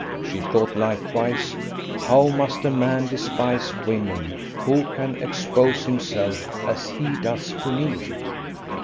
She thought likewise: how must a man despise women, who can expose himself as he does to me!